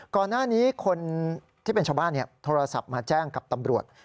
ก่อนหน้านี้คนที่เป็นชาวบ้านโทรศัพท์มาแจ้งกับตำรวจ